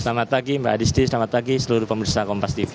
selamat pagi mbak adisti selamat pagi seluruh pemerintah kompas tv